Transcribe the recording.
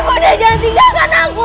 ibu dia jangan tinggalkan aku